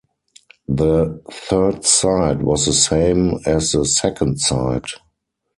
The third site was the same as the second site.